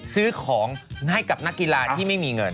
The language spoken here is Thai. ซื้อของให้กับนักกีฬาที่ไม่มีเงิน